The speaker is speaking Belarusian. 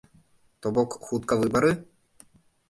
То бок, хутка выбары?